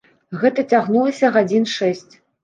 Гэта цягнулася гадзін шэсць.